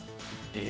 え？